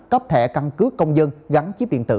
cấp thẻ căn cước công dân gắn chip điện tử